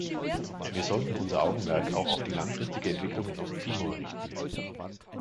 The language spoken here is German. Wir sollten unser Augenmerk auch auf die langfristige Entwicklung in Osttimor richten.